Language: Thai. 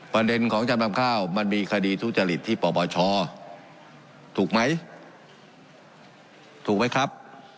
ประเด็นของจำนำข้าวมันมีคดีทุจริตที่ปปชถูกไหมถูกไหมครับ